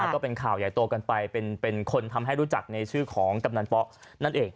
ก็เป็นข่าวใหญ่โตกันไปเป็นคนทำให้รู้จักในชื่อของกำนันป๊อกนั่นเอง